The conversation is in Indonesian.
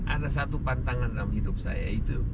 ada satu pantangan dalam hidup saya itu